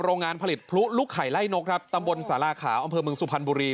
โรงงานผลิตพลุลูกไข่ไล่นกครับตำบลสาราขาวอำเภอเมืองสุพรรณบุรี